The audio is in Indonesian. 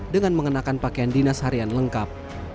dengan mengenakan pakaian dinas harian lengkap